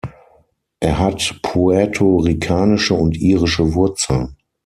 Er hat puerto-ricanische und irische Wurzeln.